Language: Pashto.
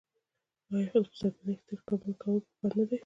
آیا د خسرګنۍ احترام کول پکار نه دي؟